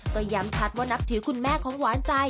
ก็ย้ำชัดว่านับถือคุณแม่ของหวานใจ